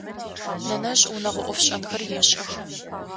Нэнэжъ унэгъо ӏофшӏэнхэр ешӏэх.